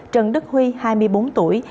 trần đức huy hai mươi bốn tuổi